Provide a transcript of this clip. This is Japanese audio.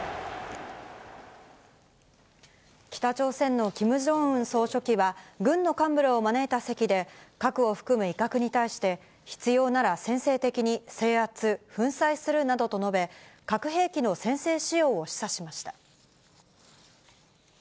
北朝鮮のキム・ジョンウン総書記は、軍の幹部らを招いた席で、核を含む威嚇に対し、必要なら先制的に制圧、粉砕するなどと述べ、核兵器の先制使用を示唆しました。